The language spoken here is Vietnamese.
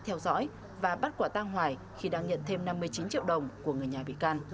theo dõi và bắt quả tang hoài khi đang nhận thêm năm mươi chín triệu đồng của người nhà bị can